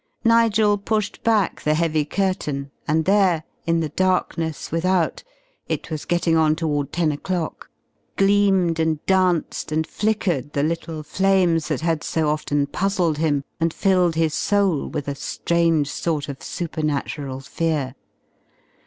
Nigel pushed back the heavy curtain and there, in the darkness without it was getting on toward ten o'clock gleamed and danced and flickered the little flames that had so often puzzled him, and filled his soul with a strange sort of supernatural fear.